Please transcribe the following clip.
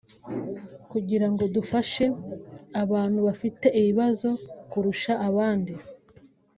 kugira ngo dufashe abantu bafite ibibazo kurusha abandi